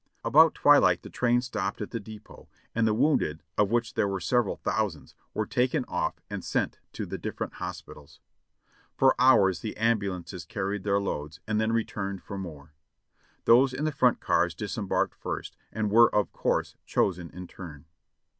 About twilight the train stopped at the depot, and the wounded, of which there were several thousands, were taken off and sent to the different hospitals. For hours the ambulances carried their loads, and then returned for more. Those in the front cars disembarked first, and were of course chosen in turn.